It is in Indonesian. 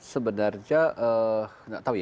sebenarnya nggak tahu ya